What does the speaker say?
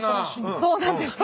そうなんですよ。